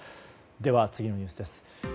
では、次のニュースです。